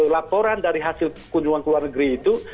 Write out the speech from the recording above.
laporan dari hasil kunjungan ke luar negeri itu